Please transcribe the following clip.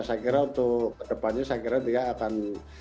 saya kira untuk kedepannya dia akan